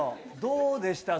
どうでした？